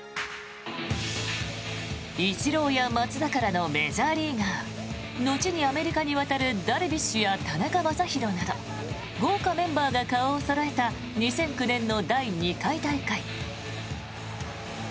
イチローや松坂らのメジャーリーガー後にアメリカに渡るダルビッシュや田中将大など豪華メンバーが顔をそろえた２００９年の第２回大会。